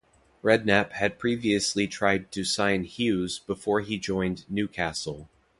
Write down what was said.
Redknapp had previously tried to sign Hughes before he joined Newcastle.